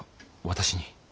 私に？